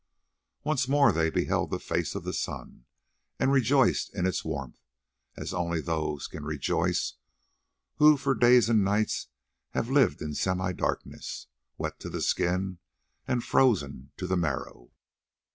Once more they beheld the face of the sun, and rejoiced in its warmth as only those can rejoice who for days and nights have lived in semi darkness, wet to the skin and frozen to the marrow.